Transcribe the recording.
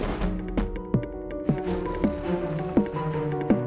dia sudah pergi